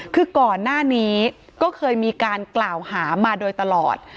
คือก่อนหน้านี้ก็เคยมีการกล่าวหามาโดยตลอด